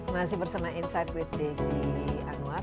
masih bersama insight with desi anwar